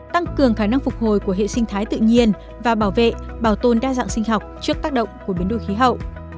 tăng cường khả năng phục hồi của hệ sinh thái tự nhiên và bảo vệ bảo tồn đa dạng sinh học trước tác động của biến đổi khí hậu